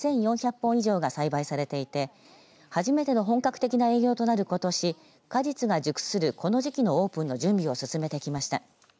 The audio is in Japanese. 本以上が栽培されていて初めての本格的な営業となることし果実が熟するこの時期のオープンの準備を進めてきました。